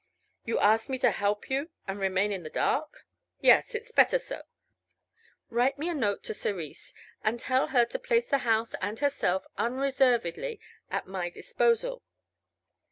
"You ask me to help you and remain in the dark?" "Yes; it's better so. Write me a note to Cerise and tell her to place the house and herself unreservedly at my disposal."